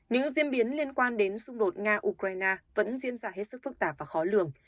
những diễn biến liên quan đến xung đột nga ukraine vẫn diễn ra hết sức phức tạp và khó lường